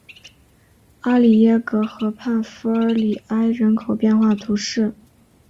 阿里耶格河畔弗尔里埃人口变化图示